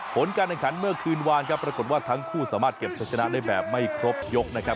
ผลการแข่งขันเมื่อคืนวานครับปรากฏว่าทั้งคู่สามารถเก็บชะชนะได้แบบไม่ครบยกนะครับ